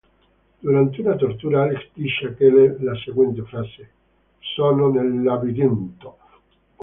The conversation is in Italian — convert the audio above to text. Durante una tortura, Alex dice a Keller la seguente frase: "Sono nel labirinto".